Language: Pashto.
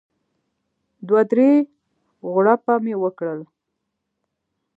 دوه درې غوړپه مې وکړل.